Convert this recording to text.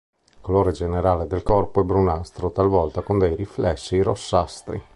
Il colore generale del corpo è brunastro talvolta con dei riflessi rossastri.